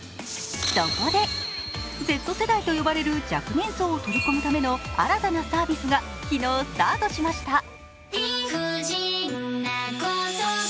そこで、Ｚ世代と呼ばれる若年層を取り込むための新たなサービスが昨日スタートしました。